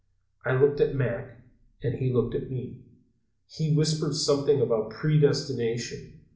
"I looked at Mac, and he looked at me. He whispered something about predestination.